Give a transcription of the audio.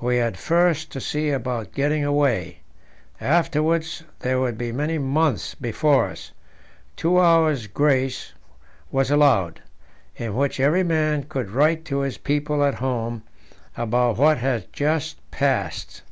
We had first to see about getting away; afterwards there would be many months before us. Two hours' grace was allowed, in which every man could write to his people at home about what had just passed.